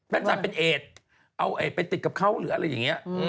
จัดเป็นเอดเอาไปติดกับเขาหรืออะไรอย่างนี้